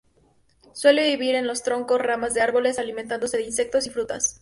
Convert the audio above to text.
Suele vivir en los troncos y ramas de árboles, alimentándose de insectos y frutas.